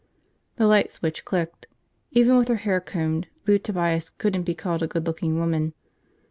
The light switch clicked. Even with her hair combed, Lou Tobias couldn't be called a good looking woman.